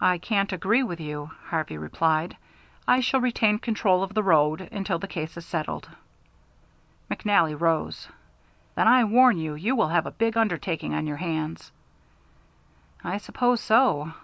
"I can't agree with you," Harvey replied. "I shall retain control of the road until the case is settled." McNally rose. "Then, I warn you, you will have a big undertaking on your hands." "I suppose so."